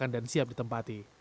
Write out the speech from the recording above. dan siap ditempati